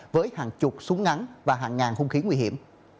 với hàng chục súng ngắn và hàng ngàn hung khí nguy hiểm